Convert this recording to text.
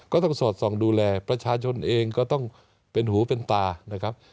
ก็ต้องสอดส่องดูแลประชาชนเองก็ต้องเป็นหูเป็นตานะครับ